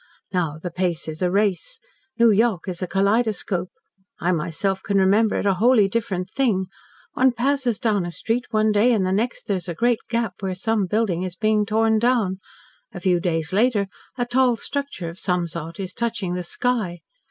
Now the pace is a race. New York is a kaleidoscope. I myself can remember it a wholly different thing. One passes down a street one day, and the next there is a great gap where some building is being torn down a few days later, a tall structure of some sort is touching the sky.